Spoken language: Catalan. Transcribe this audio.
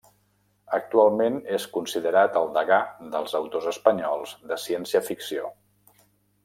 Actualment és considerat el degà dels autors espanyols de ciència-ficció.